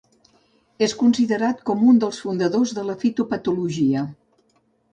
És considerat com un dels fundadors de la fitopatologia.